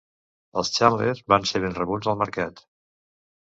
Els Chandler van ser ben rebuts al mercat.